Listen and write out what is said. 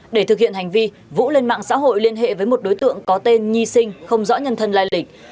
để thực hiện hành vi vũ lên mạng xã hội liên hệ với một đối tượng có tên nhi sinh không rõ nhân thân lai lịch